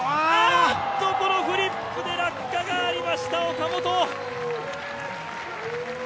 フリップで落下がありました、岡本。